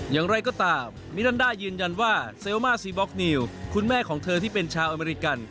อย่างไรก็ตามมิลันดายืนยันว่าเซลมาซีบล็อกนิวคุณแม่ของเธอที่เป็นชาวอเมริกัน